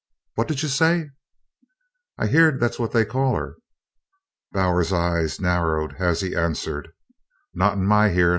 "What did you say?" "I've heerd that's what they call her." Bowers's eyes narrowed as he answered: "Not in my hearin'."